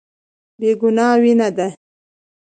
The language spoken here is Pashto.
بې ګناه وينه ده.